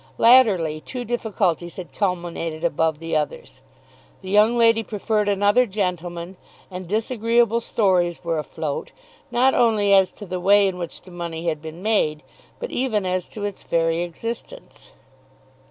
Latterly two difficulties had culminated above the others. The young lady preferred another gentleman, and disagreeable stories were afloat, not only as to the way in which the money had been made, but even as to its very existence.